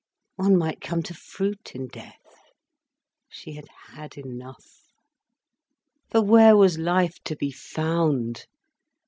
One might come to fruit in death. She had had enough. For where was life to be found?